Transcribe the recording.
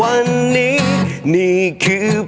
โอ้มายก็อด